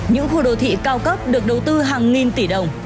những khu đô thị cao cấp được đầu tư hàng nghìn tỷ đồng